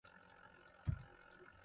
آسامن دہ بِچِݜ پڑَق پڑَق بِینوْ۔